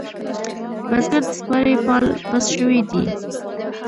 بزگر د سپارې پال پس شوی دی.